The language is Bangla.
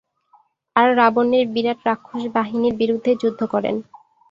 আর রাবণের বিরাট রাক্ষস বাহিনীর বিরুদ্ধে যুদ্ধ করেন।